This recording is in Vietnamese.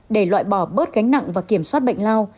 để loại bỏ bớt gánh nặng và kiểm soát bệnh lao